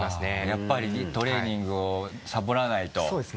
やっぱりトレーニングをサボらないとどんどん。